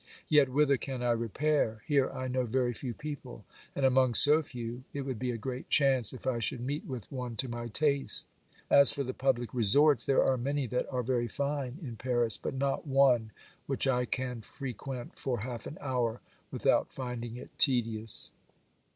Yet whither can I repair ? Here I know very few people, and among so few it would be a great chance if I should meet with one to my taste. As for the public resorts, there are many that are very fine in Paris, but not one which I can frequent for half an hour without finding it tedious.